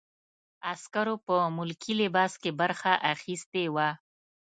عسکرو په ملکي لباس کې برخه اخیستې وه.